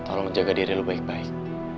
tolong jaga diri lu baik baik